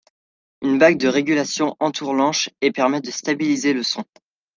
Une bague de régulation entoure l'anche et permet de stabiliser le son.